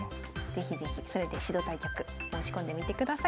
是非是非それで指導対局申し込んでみてください。